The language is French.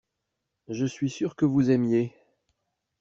Je suis sûr que vous aimiez.